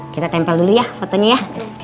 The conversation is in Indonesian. kita tempel dulu ya fotonya ya